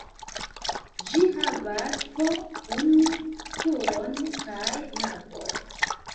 Ĝi havas po unu turon kaj navon.